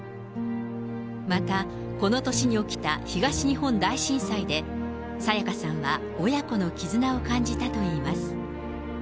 また、この年に起きた東日本大震災で、沙也加さんは親子の絆を感じたといいます。